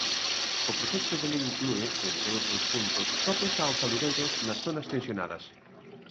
O proxecto de lei inclúe, entre outros puntos, topes aos alugueiros nas zonas tensionadas.